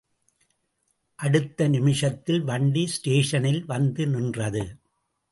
அடுத்த நிமிஷத்தில் வண்டி ஸ்டேஷனில் வந்து நின்றது.